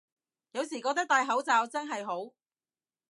有時覺得戴口罩真係好